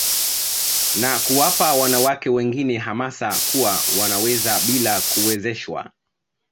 Na kuwapa wanawake wengine hamasa kuwa wanaweza bila kuwezeshwa